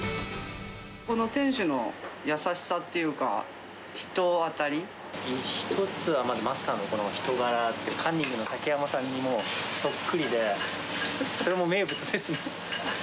ここの店主の優しさっていうか、一つは、まずはマスターのこの人柄と、カンニングの竹山さんにもそっくりで、それも名物ですね。